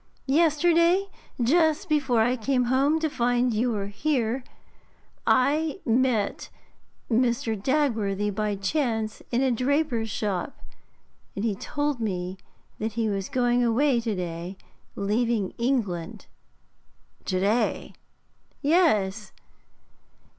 Yesterday, just before I came home to find you here, I met Mr. Dagworthy by chance in a draper's shop, and he told me that he was going away to day, leaving England.' 'To day?' 'Yes.